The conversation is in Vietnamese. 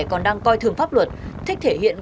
còn đang coi thường pháp luật thích thể hiện